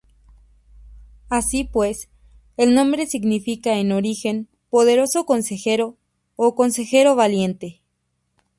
Así pues, el nombre significa en origen ‘poderoso consejero’ o ‘consejero valiente’.